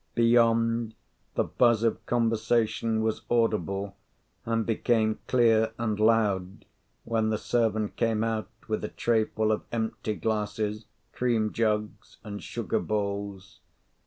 Beyond, the buzz of conversation was audible, and became clear and loud when the servant came out with a trayful of empty glasses, cream jugs, and sugar bowls.